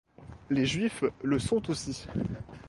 Les Juifs le sont aussi.